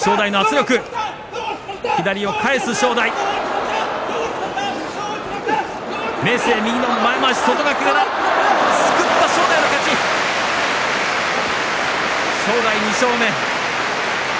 正代２勝目。